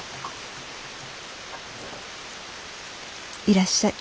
いらっしゃい。